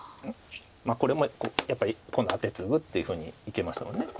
これもやっぱり今度アテツグっていうふうにいけますもんね。